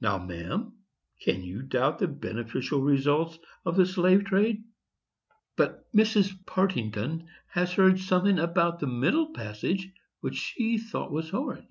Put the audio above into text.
Now, ma'am, can you doubt the beneficial results of the slave trade?" But Mrs Partington has heard something about that middle passage which she thought was horrid.